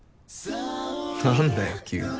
何だよ急に。